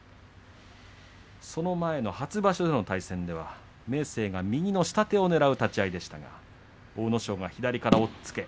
その前の初場所での対戦では明生が右の下手をねらう立ち合いでしたが阿武咲が左から押っつけ